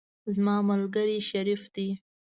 زما ملګری شریف دی.